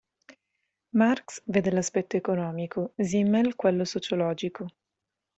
Marx vede l'aspetto economico, Simmel quello sociologico.